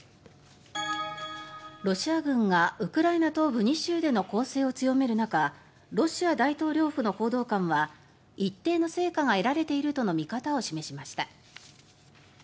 ロシア軍がウクライナ東部２州での攻勢を強める中ロシア大統領府の報道官は一定の成果が得られているとの見方を示しました。